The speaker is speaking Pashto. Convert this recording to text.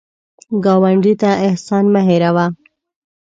ګاونډي ته احسان مه هېر وهه